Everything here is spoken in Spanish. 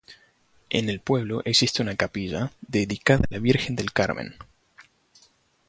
En el pueblo existe una capilla, dedicada a la Virgen del Carmen.